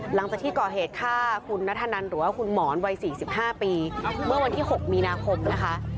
หลังจากที่ก่อเหตุฆ่าคุณนัทธนันหรือว่าคุณหมอนวัย๔๕ปีเมื่อวันที่๖มีนาคมนะคะ